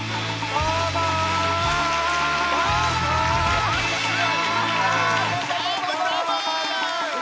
どうもこんにちは。